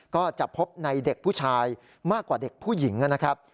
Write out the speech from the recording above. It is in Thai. ก็จะพบในเด็กผู้ชายมากกว่าเด็กผู้หญิงนะครับ